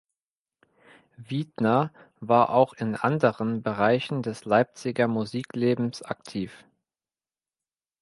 Wiedner war auch in anderen Bereichen des Leipziger Musiklebens aktiv.